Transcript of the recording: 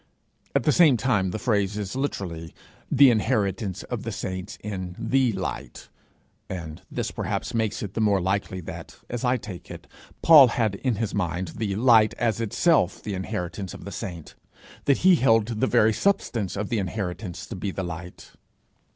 At the same time the phrase is literally 'the inheritance of the saints in the light;' and this perhaps makes it the more likely that, as I take it, Paul had in his mind the light as itself the inheritance of the saints that he held the very substance of the inheritance to be the light.